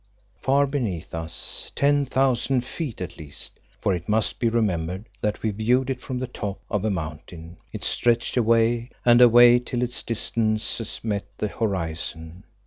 Far beneath us, ten thousand feet at least for it must be remembered that we viewed it from the top of a mountain it stretched away and away till its distances met the horizon.